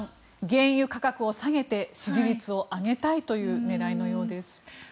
原油価格を下げて支持率を上げたいという狙いのようですね。